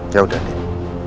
ya udah andin